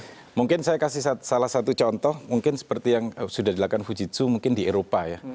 oke mungkin saya kasih salah satu contoh mungkin seperti yang sudah dilakukan fujitsu mungkin di eropa ya